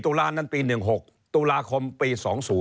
ตุลานั้นปี๑๖ตุลาคมปี๒๐